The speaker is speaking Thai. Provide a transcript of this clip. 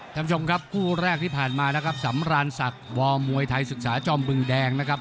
ท่านผู้ชมครับคู่แรกที่ผ่านมานะครับสำราญศักดิ์วอร์มวยไทยศึกษาจอมบึงแดงนะครับ